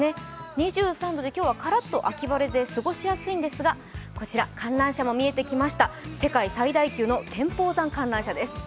２３度で今日はカラッと秋晴れで過ごしやすいんですが、観覧車も見えてきました、世界最大級の天保山観覧車です。